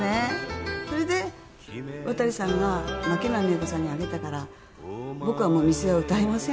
それで渡さんが「牧村三枝子さんにあげたから僕はもう『みちづれ』を歌いません」